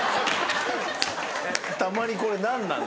たまにこれ何なの？